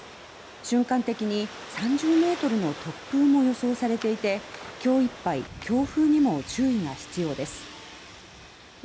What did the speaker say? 瞬間的に３０ｍの突風も予想されていて今日いっぱい強風にも注意が必要です。